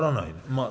まあ。